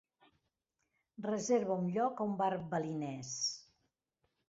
reserva un lloc a un bar balinès